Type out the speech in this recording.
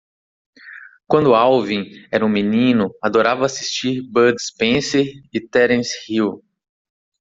Quando Alvin era um menino, adorava assistir Bud Spencer e Terence Hill.